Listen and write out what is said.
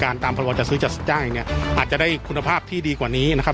อาจจะได้คุณภาพที่ดีกว่านี้นะครับ